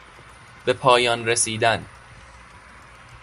بپایان رسیدن